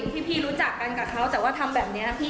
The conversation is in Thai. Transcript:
พี่รู้จักกันกับเขาแต่ว่าทำแบบนี้นะพี่